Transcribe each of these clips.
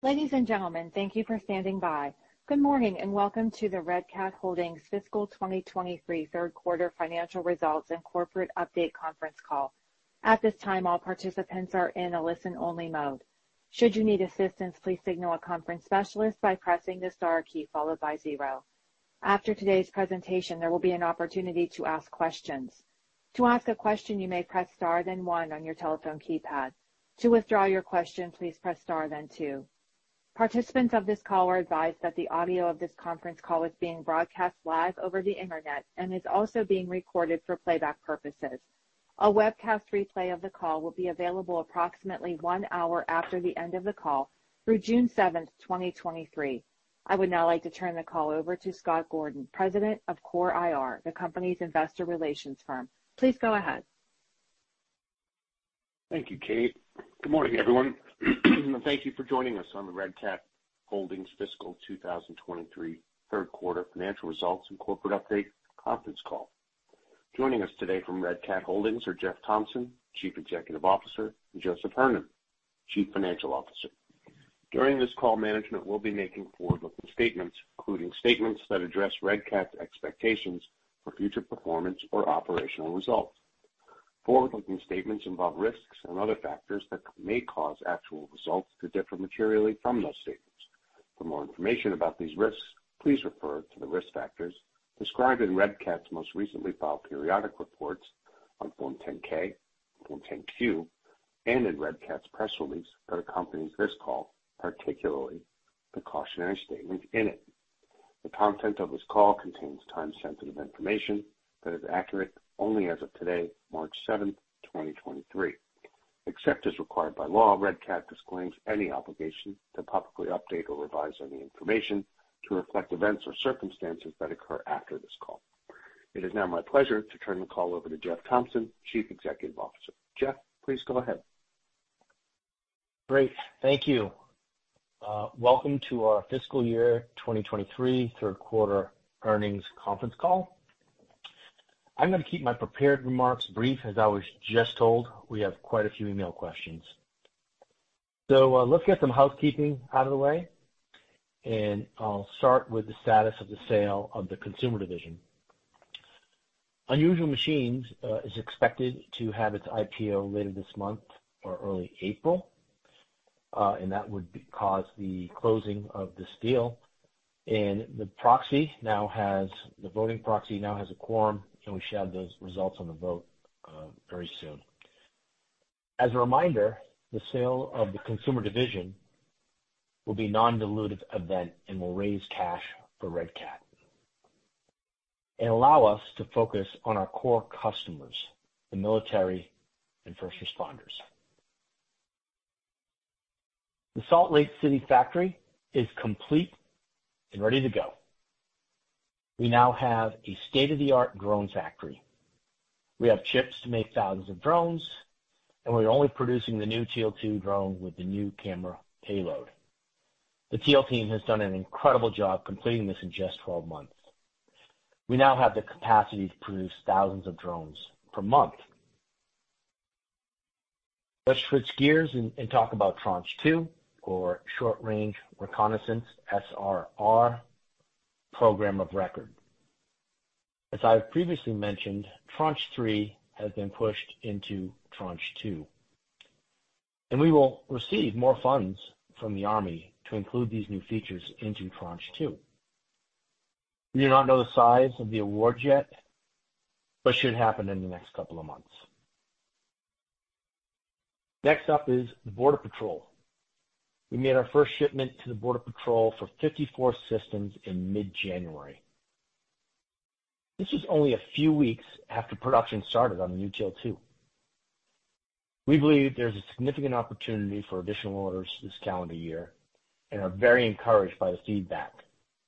Ladies and gentlemen, thank you for standing by. Good morning, welcome to the Red Cat Holdings Fiscal 2023 Third Quarter Financial Results and Corporate Update Conference Call. At this time, all participants are in a listen-only mode. Should you need assistance, please signal a conference specialist by pressing the star key followed by zero. After today's presentation, there will be an opportunity to ask questions. To ask a question, you may press star then 1 on your telephone keypad. To withdraw your question, please press star then two. Participants of this call are advised that the audio of this conference call is being broadcast live over the Internet and is also being recorded for playback purposes. A webcast replay of the call will be available approximately one hour after the end of the call through June 7th, 2023. I would now like to turn the call over to Scott Gordon, President of Core IR, the company's investor relations firm. Please go ahead. Thank you, Kate. Good morning, everyone. Thank you for joining us on the Red Cat Holdings Fiscal 2023 third quarter financial results and corporate update conference call. Joining us today from Red Cat Holdings are Jeff Thompson, Chief Executive Officer, and Joseph Hernon, Chief Financial Officer. During this call, management will be making forward-looking statements, including statements that address Red Cat's expectations for future performance or operational results. Forward-looking statements involve risks and other factors that may cause actual results to differ materially from those statements. For more information about these risks, please refer to the risk factors described in Red Cat's most recently filed periodic reports on Form 10-K, Form 10-Q, and in Red Cat's press release that accompanies this call, particularly the cautionary statement in it. The content of this call contains time-sensitive information that is accurate only as of today, March seventh, 2023. Except as required by law, Red Cat disclaims any obligation to publicly update or revise any information to reflect events or circumstances that occur after this call. It is now my pleasure to turn the call over to Jeff Thompson, Chief Executive Officer. Jeff, please go ahead. Great. Thank you. Welcome to our fiscal year 2023 third quarter earnings conference call. I'm gonna keep my prepared remarks brief as I was just told we have quite a few email questions. Let's get some housekeeping out of the way, and I'll start with the status of the sale of the consumer division. Unusual Machines is expected to have its IPO later this month or early April, and that would cause the closing of this deal. The voting proxy now has a quorum, and we should have those results on the vote very soon. As a reminder, the sale of the consumer division will be non-dilutive event and will raise cash for Red Cat and allow us to focus on our core customers, the military and first responders. The Salt Lake City factory is complete and ready to go. We now have a state-of-the-art drone factory. We have chips to make thousands of drones, and we're only producing the new Teal 2 drone with the new camera payload. The Teal team has done an incredible job completing this in just 12 months. We now have the capacity to produce thousands of drones per month. Let's switch gears and talk about Tranche II or Short-Range Reconnaissance, SRR, program of record. As I've previously mentioned, Tranche III has been pushed into Tranche II, and we will receive more funds from the Army to include these new features into Tranche II. We do not know the size of the award yet, but should happen in the next couple of months. Next up is the Border Patrol. We made our first shipment to the Border Patrol for 54 systems in mid-January. This was only a few weeks after production started on the new Teal 2. We believe there's a significant opportunity for additional orders this calendar year and are very encouraged by the feedback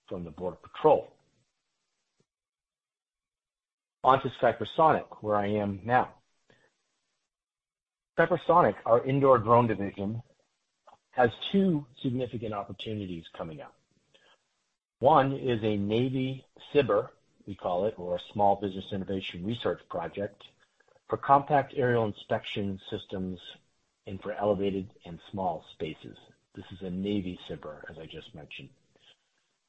from the Border Patrol. Skypersonic, where I am now. Skypersonic, our indoor drone division, has two significant opportunities coming up. One is a Navy SBIR, we call it, or a Small Business Innovation Research project, for compact aerial inspection systems and for elevated and small spaces. This is a Navy SBIR, as I just mentioned.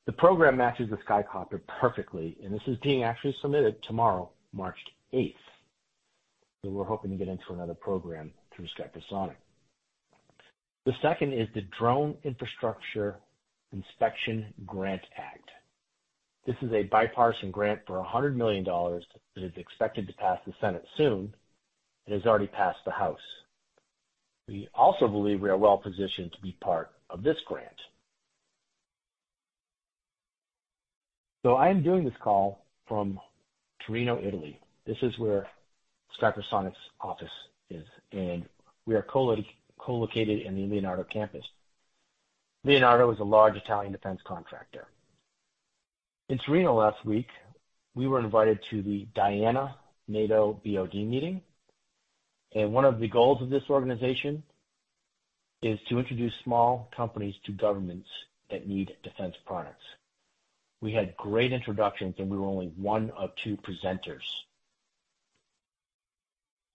The program matches the Skycopter perfectly. This is being actually submitted tomorrow, March eighth. We're hoping to get into another program through Skypersonic. The second is the Drone Infrastructure Inspection Grant Act. This is a bipartisan grant for $100 million that is expected to pass the Senate soon and has already passed the House. We also believe we are well positioned to be part of this grant. I am doing this call from Torino, Italy. This is where Skypersonic's office is, and we are collocated in the Leonardo campus. Leonardo is a large Italian defense contractor. In Torino last week, we were invited to the DIANA NATO BOD meeting. One of the goals of this organization is to introduce small companies to governments that need defense products. We had great introductions. We were only one of two presenters.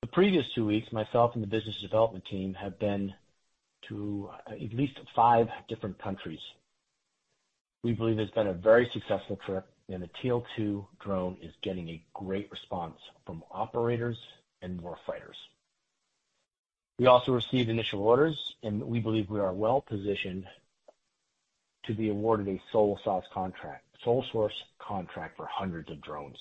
The previous two weeks, myself and the business development team have been to at least five different countries. We believe it's been a very successful trip. The Teal 2 drone is getting a great response from operators and war fighters. We also received initial orders, and we believe we are well positioned to be awarded a sole source contract for hundreds of drones.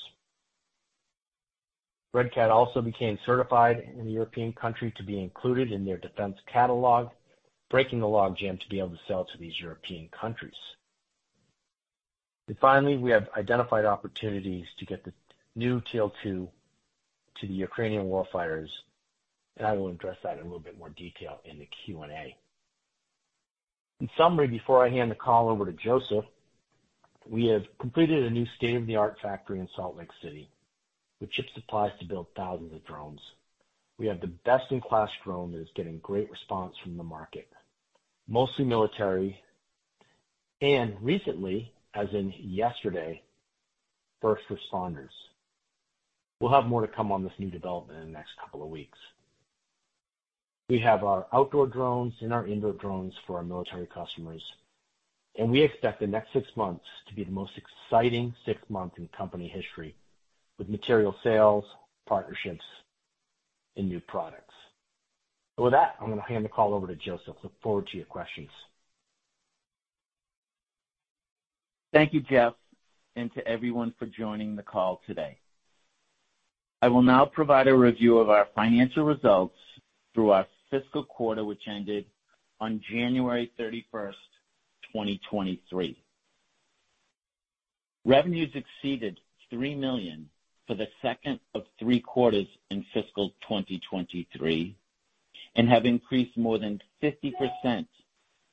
Red Cat also became certified in the European country to be included in their defense catalog, breaking the log jam to be able to sell to these European countries. Finally, we have identified opportunities to get the new Teal 2 to the Ukrainian war fighters, and I will address that in a little bit more detail in the Q&A. In summary, before I hand the call over to Joseph, we have completed a new state-of-the-art factory in Salt Lake City, which ships supplies to build thousands of drones. We have the best in class drone that is getting great response from the market, mostly military, and recently, as in yesterday, first responders. We'll have more to come on this new development in the next couple of weeks. We have our outdoor drones and our indoor drones for our military customers, and we expect the next six months to be the most exciting six months in company history with material sales, partnerships, and new products. With that, I'm gonna hand the call over to Joseph. Look forward to your questions. Thank you, Jeff, and to everyone for joining the call today. I will now provide a review of our financial results through our fiscal quarter, which ended on January 31st, 2023. Revenues exceeded $3 million for the second of three quarters in fiscal 2023, and have increased more than 50%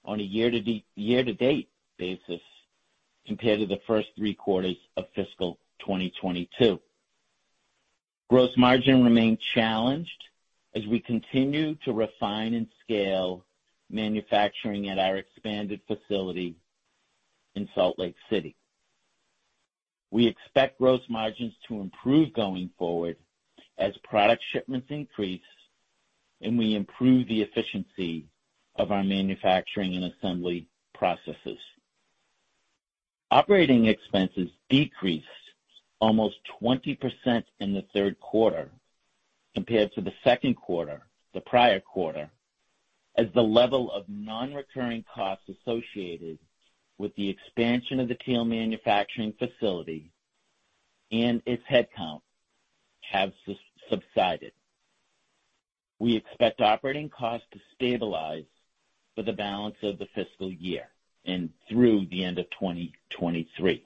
on a year-to-date basis compared to the first three quarters of fiscal 2022. Gross margin remained challenged as we continue to refine and scale manufacturing at our expanded facility in Salt Lake City. We expect gross margins to improve going forward as product shipments increase and we improve the efficiency of our manufacturing and assembly processes. Operating expenses decreased almost 20% in the third quarter compared to the second quarter, the prior quarter, as the level of non-recurring costs associated with the expansion of the Teal manufacturing facility and its headcount have subsided. We expect operating costs to stabilize for the balance of the fiscal year and through the end of 2023.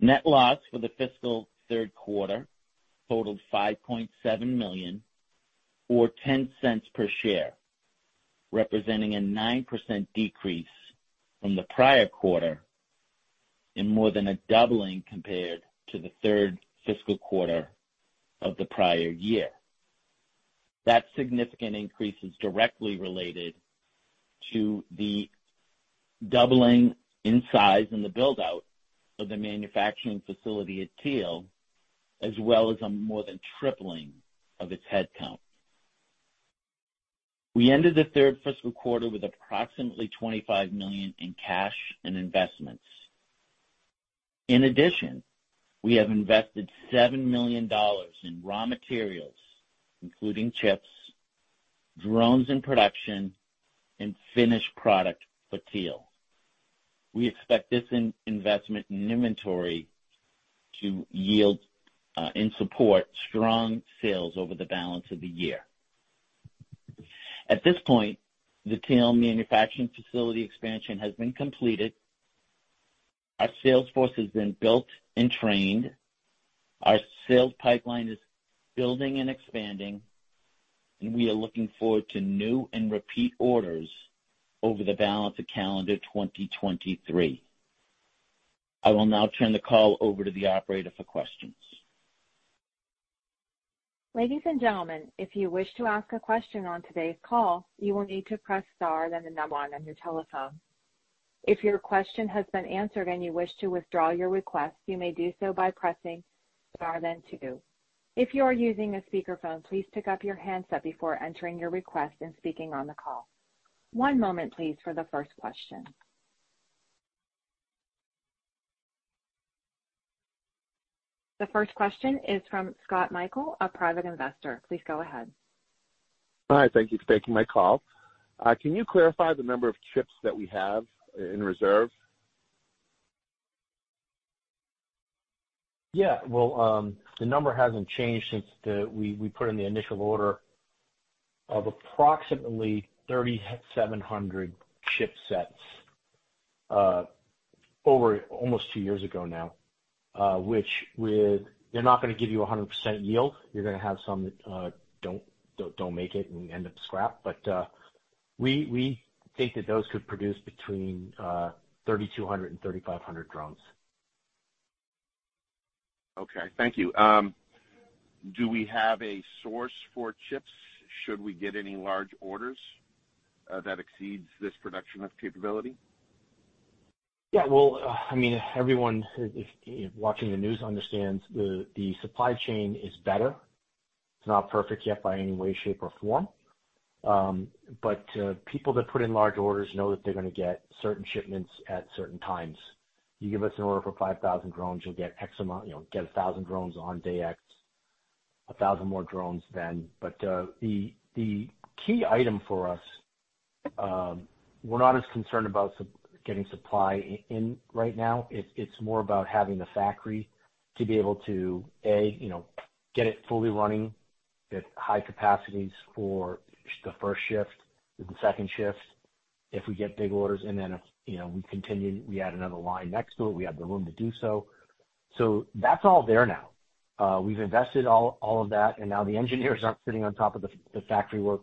Net loss for the fiscal third quarter totaled $5.7 million or $0.10 per share, representing a 9% decrease from the prior quarter and more than a doubling compared to the third fiscal quarter of the prior year. That significant increase is directly related to the doubling in size in the build-out of the manufacturing facility at Teal, as well as a more than tripling of its headcount. We ended the third fiscal quarter with approximately $25 million in cash and investments. In addition, we have invested $7 million in raw materials, including chips, drones in production, and finished product for Teal. We expect this in-investment in inventory to yield and support strong sales over the balance of the year. At this point, the Teal manufacturing facility expansion has been completed. Our sales force has been built and trained. Our sales pipeline is building and expanding, and we are looking forward to new and repeat orders over the balance of calendar 2023. I will now turn the call over to the operator for questions. Ladies and gentlemen, if you wish to ask a question on today's call, you will need to press star then the number one on your telephone. If your question has been answered and you wish to withdraw your request, you may do so by pressing star then two. If you are using a speakerphone, please pick up your handset before entering your request and speaking on the call. One moment please for the first question. The first question is from Scott Michael, a private investor. Please go ahead. Hi. Thank you for taking my call. Can you clarify the number of chips that we have in reserve? Yeah. Well, the number hasn't changed since we put in the initial order of approximately 3,700 chipsets, over almost 2 years ago now. They're not gonna give you a 100% yield. You're gonna have some that don't make it and end up scrap. We think that those could produce between 3,200 and 3,500 drones. Okay. Thank you. Do we have a source for chips should we get any large orders that exceeds this production of capability? Well, I mean, everyone, if watching the news understands the supply chain is better. It's not perfect yet by any way, shape, or form. People that put in large orders know that they're gonna get certain shipments at certain times. You give us an order for 5,000 drones, you'll get X amount, you know, get 1,000 drones on day X, 1,000 more drones then. The key item for us, we're not as concerned about getting supply in right now. It's more about having the factory to be able to, A, you know, get it fully running at high capacities for the first shift, the second shift. If we get big orders, if, you know, we continue, we add another line next to it, we have the room to do so. That's all there now. We've invested all of that, and now the engineers aren't sitting on top of the factory work,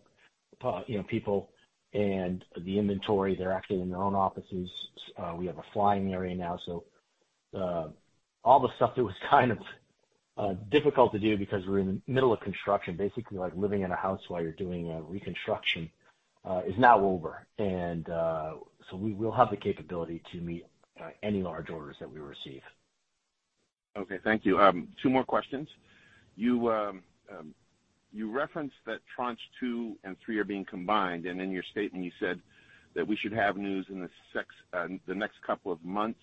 you know, people and the inventory. They're actually in their own offices. We have a flying area now. All the stuff that was kind of difficult to do because we're in the middle of construction, basically like living in a house while you're doing a reconstruction, is now over. We will have the capability to meet any large orders that we receive. Okay. Thank you. Two more questions. You referenced that Tranche 2 and 3 are being combined, and in your statement you said that we should have news in the next couple of months.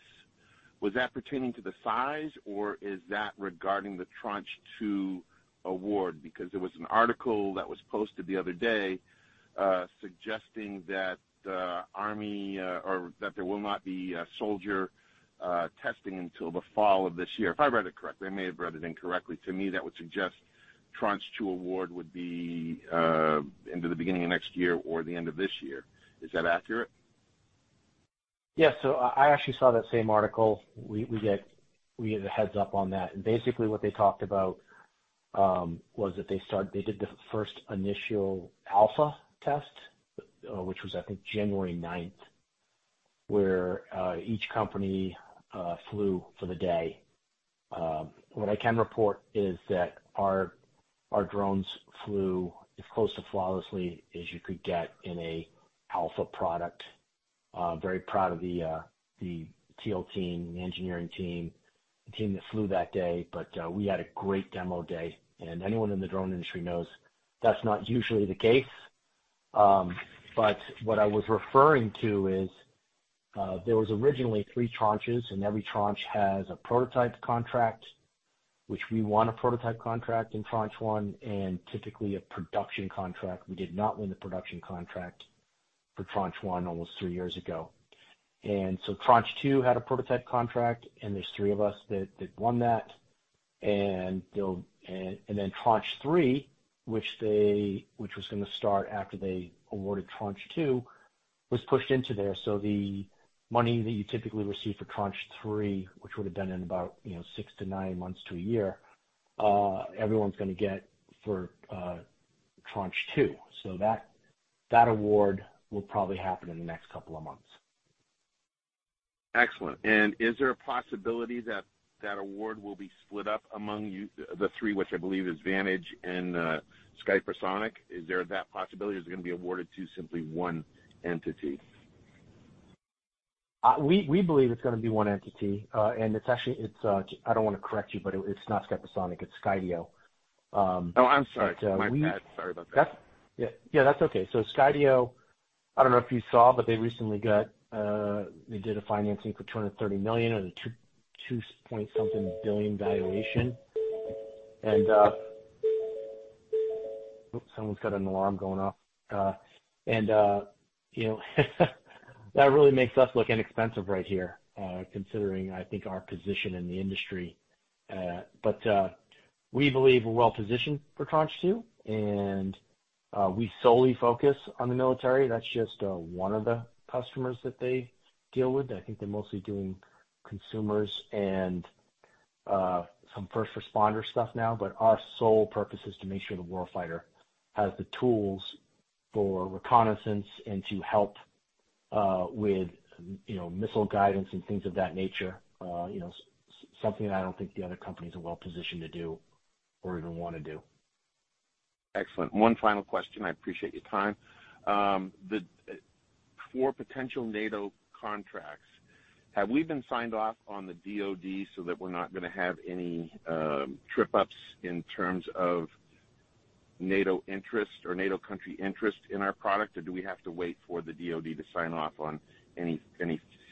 Was that pertaining to the size, or is that regarding the Tranche 2 award? Because there was an article that was posted the other day, suggesting that the Army, or that there will not be a soldier, testing until the fall of this year. If I read it correctly, I may have read it incorrectly. To me, that would suggest Tranche 2 award would be into the beginning of next year or the end of this year. Is that accurate? I actually saw that same article. We get a heads-up on that. Basically what they talked about was that they did the 1st initial alpha test, which was I think January 9th, where each company flew for the day. What I can report is that our drones flew as close to flawlessly as you could get in a alpha product. Very proud of the Teal team, the engineering team, the team that flew that day. We had a great demo day, and anyone in the drone industry knows that's not usually the case. What I was referring to is there was originally 3 tranches, and every tranche has a prototype contract, which we won a prototype contract in Tranche 1 and typically a production contract. We did not win the production contract for Tranche 1 almost three years ago. Tranche 2 had a prototype contract, and there's three of us that won that. Tranche 3, which was gonna start after they awarded Tranche 2, was pushed into there. The money that you typically receive for Tranche 3, which would've been in about, you know, six to nine months to a year, everyone's gonna get for Tranche 2. That award will probably happen in the next couple of months. Excellent. Is there a possibility that that award will be split up among you, the three, which I believe is Vantage and Skypersonic? Is there that possibility, or is it gonna be awarded to simply one entity? We believe it's gonna be one entity. It's actually, I don't wanna correct you, but it's not Skypersonic, it's Skydio. Oh, I'm sorry. My bad. Sorry about that. Yeah. Yeah, that's okay. Skydio, I don't know if you saw, but they recently got, they did a financing for $230 million on a $2.something billion valuation. Oops, someone's got an alarm going off. You know, that really makes us look inexpensive right here, considering, I think, our position in the industry. We believe we're well positioned for Tranche 2, we solely focus on the military. That's just one of the customers that they deal with. I think they're mostly doing consumers and some first responder stuff now. Our sole purpose is to make sure the war fighter has the tools for reconnaissance and to help with, you know, missile guidance and things of that nature. You know, something that I don't think the other company is well positioned to do or even wanna do. Excellent. One final question. I appreciate your time. The for potential NATO contracts, have we been signed off on the DoD so that we're not gonna have any trip ups in terms of NATO interest or NATO country interest in our product, or do we have to wait for the DoD to sign off on any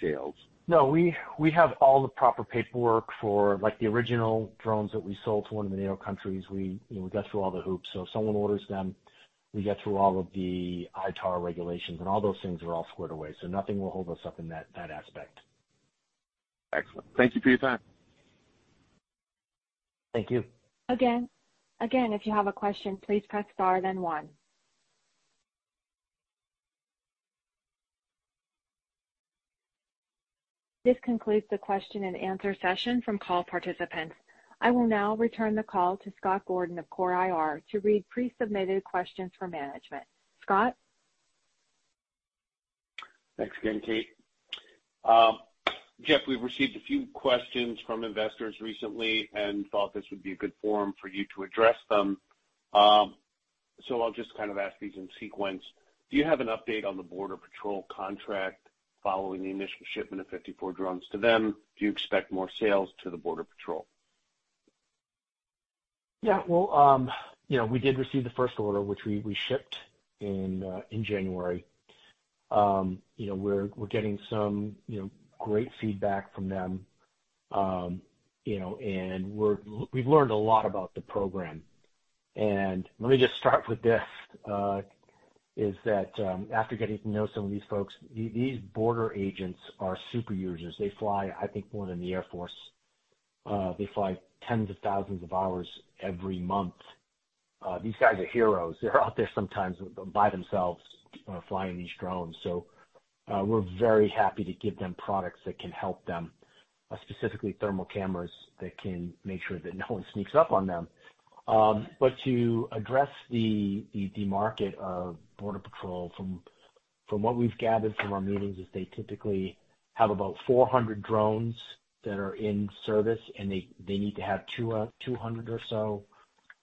sales? No, we have all the proper paperwork for like the original drones that we sold to one of the NATO countries. We, you know, we got through all the hoops. If someone orders them, we get through all of the ITAR regulations. All those things are all squared away. Nothing will hold us up in that aspect. Excellent. Thank you for your time. Thank you. Again, if you have a question, please press star then one. This concludes the question and answer session from call participants. I will now return the call to Scott Gordon of CORE IR to read pre-submitted questions for management. Scott? Thanks again, Kate. Jeff, we've received a few questions from investors recently and thought this would be a good forum for you to address them. I'll just kind of ask these in sequence. Do you have an update on the Border Patrol contract following the initial shipment of 54 drones to them? Do you expect more sales to the Border Patrol? Yeah, well, you know, we did receive the first order, which we shipped in January. You know, we're getting some, you know, great feedback from them. You know, and we've learned a lot about the program. Let me just start with this, is that, after getting to know some of these folks, these border agents are super users. They fly, I think, more than the Air Force. They fly tens of thousands of hours every month. These guys are heroes. They're out there sometimes by themselves, flying these drones. We're very happy to give them products that can help them, specifically thermal cameras that can make sure that no one sneaks up on them. To address the market of Border Patrol from what we've gathered from our meetings, is they typically have about 400 drones that are in service, and they need to have 200 or so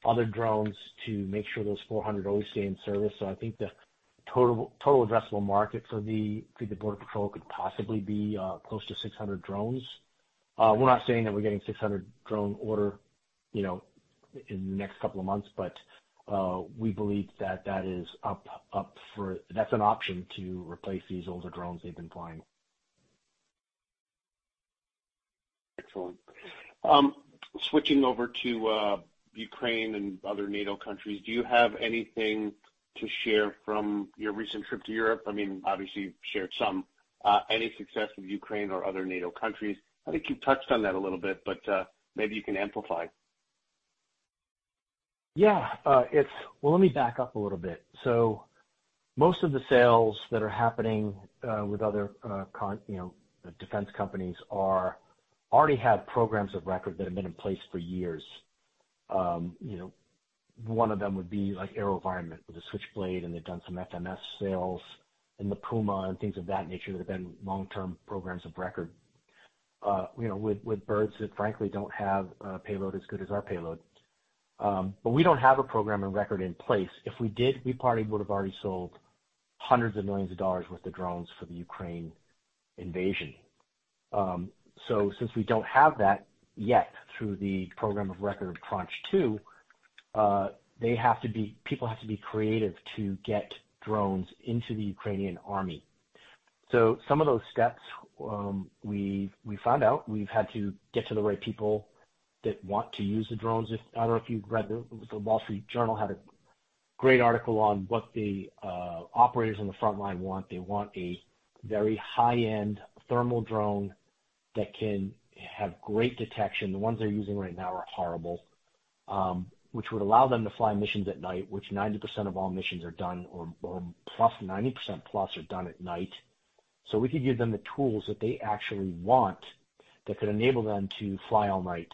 other drones to make sure those 400 always stay in service. I think the total addressable market for the Border Patrol could possibly be close to 600 drones. We're not saying that we're getting a 600 drone order, you know, in the next couple of months, we believe that that is up for that's an option to replace these older drones they've been flying. Excellent. Switching over to Ukraine and other NATO countries, do you have anything to share from your recent trip to Europe? I mean, obviously you've shared some. Any success with Ukraine or other NATO countries? I think you touched on that a little bit, but maybe you can amplify. Well, let me back up a little bit. Most of the sales that are happening with other, you know, defense companies already have programs of record that have been in place for years. You know, one of them would be like AeroVironment with the Switchblade, and they've done some FMS sales in the Puma and things of that nature that have been long-term programs of record. You know, with birds that frankly don't have a payload as good as our payload. We don't have a program of record in place. If we did, we probably would have already sold hundreds of millions of dollars worth of drones for the Ukraine invasion. Since we don't have that yet through the program of record Tranche 2, people have to be creative to get drones into the Ukrainian Army. Some of those steps, we found out we've had to get to the right people that want to use the drones. I don't know if you've read the Wall Street Journal had a great article on what the operators on the front line want. They want a very high-end thermal drone that can have great detection. The ones they're using right now are horrible. Which would allow them to fly missions at night, which 90% of all missions are done, or 90% plus are done at night. We could give them the tools that they actually want that could enable them to fly all night.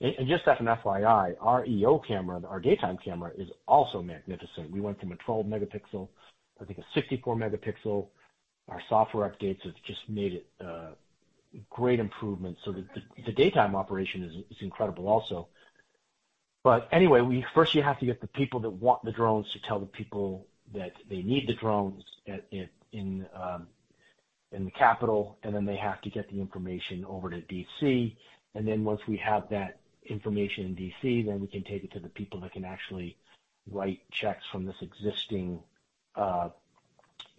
Just as an FYI, our EO camera, our daytime camera is also magnificent. We went from a 12 megapixel, I think, a 64 megapixel. Our software updates have just made it great improvements. The, the daytime operation is incredible also. Anyway, we first you have to get the people that want the drones to tell the people that they need the drones at, in, in the capital, then they have to get the information over to D.C. Then once we have that information in D.C., then we can take it to the people that can actually write checks from this existing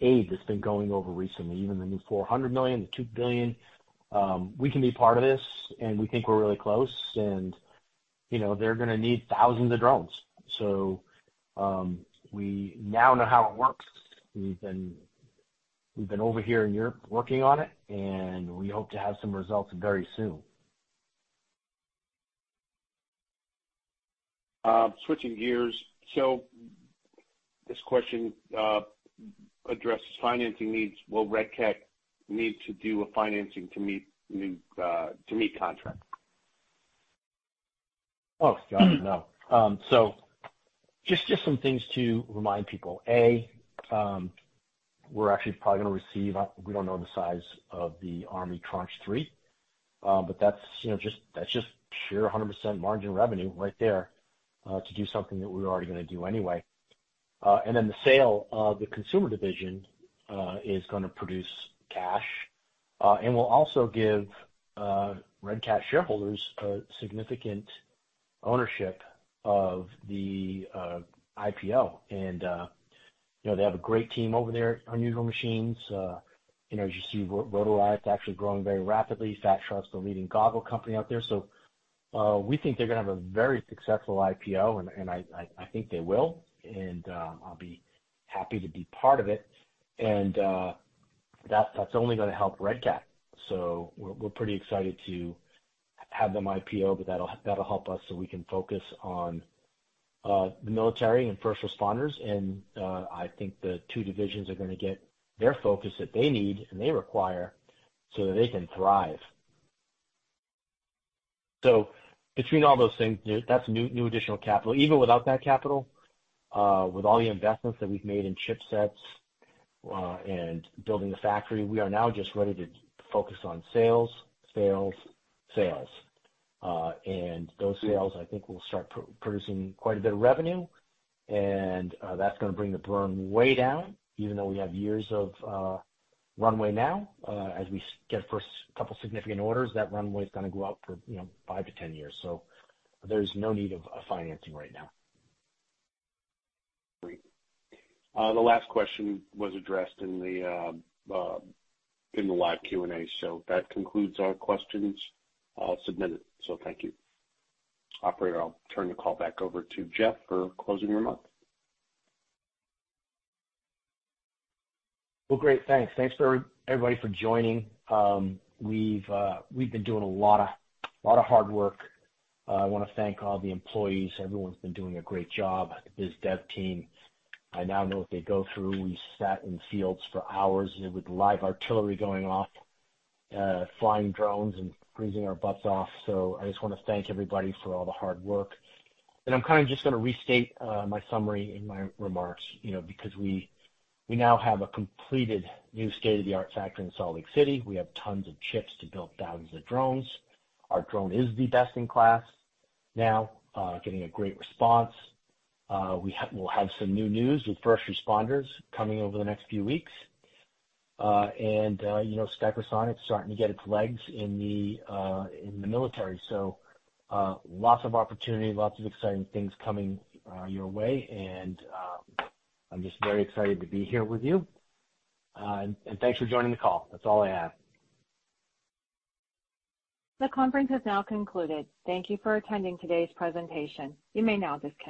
aid that's been going over recently, even the new $400 million, the $2 billion. We can be part of this. We think we're really close. You know, they're gonna need thousands of drones. We now know how it works. We've been over here in Europe working on it. We hope to have some results very soon. Switching gears. This question addresses financing needs. Will Red Cat need to do a financing to meet contracts? Oh, God, no. Just some things to remind people. A, we're actually probably gonna receive, we don't know the size of the Army Tranche 3, but that's, you know, that's just pure 100% margin revenue right there, to do something that we're already gonna do anyway. Then the sale of the consumer division is gonna produce cash and will also give Red Cat shareholders a significant ownership of the IPO. You know, they have a great team over there, Unusual Machines. You know, as you see, Rotolight is actually growing very rapidly. Fat Shark's the leading goggle company out there. We think they're gonna have a very successful IPO, and I think they will. I'll be happy to be part of it. That's only gonna help Red Cat. We're pretty excited to have them IPO, that'll help us so we can focus on the military and first responders. I think the 2 divisions are gonna get their focus that they need and they require so that they can thrive. Between all those things, that's new additional capital. Even without that capital, with all the investments that we've made in chipsets and building the factory, we are now just ready to focus on sales, sales. Those sales I think will start producing quite a bit of revenue. That's gonna bring the burn way down, even though we have years of runway now. As we get first couple significant orders, that runway's gonna go out for, you know, 5-10 years. There's no need of financing right now. Great. The last question was addressed in the live Q&A. That concludes our questions submitted. Thank you. Operator, I'll turn the call back over to Jeff for closing remarks. Well, great. Thanks. Thanks everybody for joining. We've been doing a lot of hard work. I wanna thank all the employees. Everyone's been doing a great job. The biz dev team, I now know what they go through. We sat in fields for hours with live artillery going off, flying drones and freezing our butts off. I just wanna thank everybody for all the hard work. I'm kinda just gonna restate my summary in my remarks, you know, because we now have a completed new state-of-the-art factory in Salt Lake City. We have tons of chips to build thousands of drones. Our drone is the best in class now, getting a great response. We'll have some new news with first responders coming over the next few weeks. You know, Skypersonic's starting to get its legs in the military. Lots of opportunity, lots of exciting things coming your way. I'm just very excited to be here with you. Thanks for joining the call. That's all I have. The conference has now concluded. Thank you for attending today's presentation. You may now disconnect.